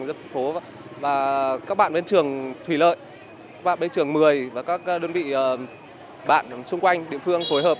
các bác phố và các bạn bên trường thủy lợi các bạn bên trường một mươi và các đơn vị bạn xung quanh địa phương phối hợp